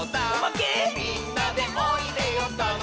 「みんなでおいでよたのしいよ」